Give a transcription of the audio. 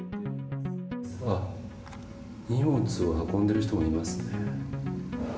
荷物を運んでる人がいますね。